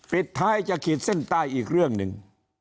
ปิดท้ายจะขีดเส้นใต้อีกเรื่องหนึ่ง